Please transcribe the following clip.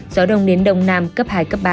gió đông đến đông nam cấp hai ba